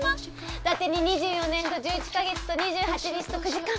だてに２４年と１１か月と２８日と９時間。